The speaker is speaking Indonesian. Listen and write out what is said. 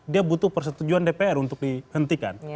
dia butuh persetujuan dpr untuk dihentikan